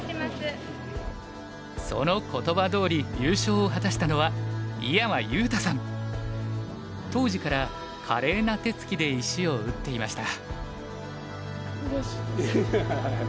その言葉どおり優勝を果たしたのは当時から華麗な手つきで石を打っていました。